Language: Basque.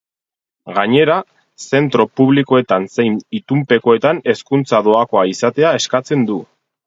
Gainera, zentro publikoetan zein itunpekoetan hezkuntza doakoa izatea eskatzen du.